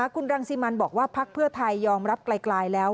คุณรังสิมันบอกว่าพักเพื่อไทยยอมรับไกลแล้ว